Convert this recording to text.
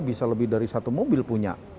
bisa lebih dari satu mobil punya